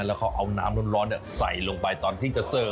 แล้วเขาเอาน้ำร้อนใส่ลงไปตอนที่จะเซอร์